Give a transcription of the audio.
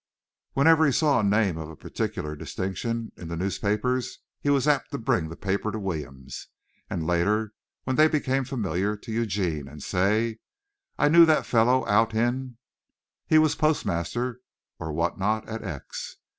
Whenever he saw a name of particular distinction in the newspapers he was apt to bring the paper to Williams and later, when they became familiar, to Eugene and say, "I knew that fellow out in . He was postmaster (or what not) at X